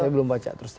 saya belum baca terus